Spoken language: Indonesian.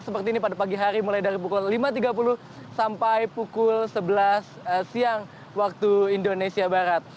seperti ini pada pagi hari mulai dari pukul lima tiga puluh sampai pukul sebelas siang waktu indonesia barat